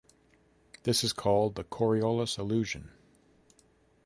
This is called the Coriolis illusion.